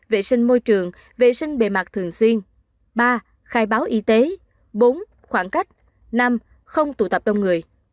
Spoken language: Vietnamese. vệ sinh môi trường vệ sinh bề mặt thường xuyên ba khai báo y tế bốn khoảng cách năm không tụ tập đông người